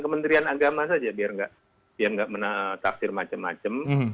kementerian agama saja biar tidak menakdir macam macam